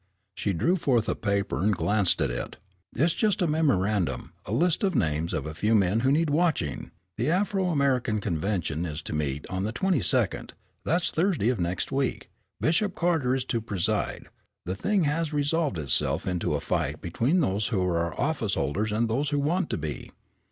She drew forth a paper and glanced at it. "It's just a memorandum, a list of names of a few men who need watching. The Afro American convention is to meet on the 22d; that's Thursday of next week. Bishop Carter is to preside. The thing has resolved itself into a fight between those who are office holders and those who want to be."